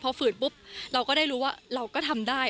พอฝืนปุ๊บเราก็ได้รู้ว่าเราก็ทำได้